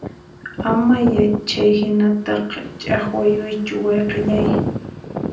Ama ya chayhinata ch'aqwamuychu wayqillay